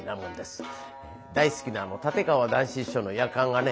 大好きな立川談志師匠の「やかん」がね